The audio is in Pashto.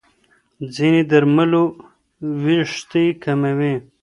ځینې درملو وېښتې کموي.